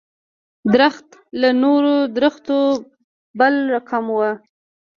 درخت له نورو درختو بل رقم و.